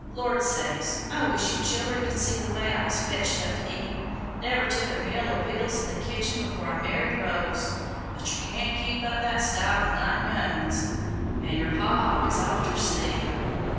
Lord sakes, I wish you childern could see the way I was fetched up to eat never took a meal o' vittles in the kitchen before I married Ruggles; but yer can't keep up that style with nine young ones 'n yer Pa always off ter sea."